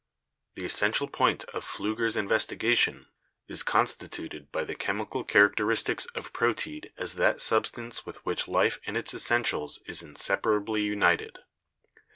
The essential point of Pfliiger's investigation is constituted by the chemical char acteristics of proteid as that substance with which life in its essentials is inseparably united.